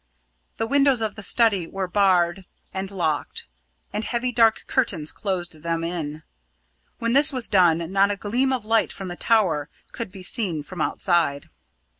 The windows of the study were barred and locked, and heavy dark curtains closed them in. When this was done not a gleam of light from the tower could be seen from outside.